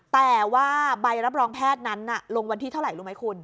แต่ว่าใบรับรองแพทย์นั้นลงวันที่เท่าไหร่รู้ไหมคุณ